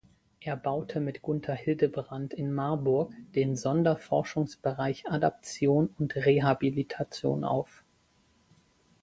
Er baute mit Gunther Hildebrandt in Marburg den Sonderforschungsbereich „Adaptation und Rehabilitation“ auf.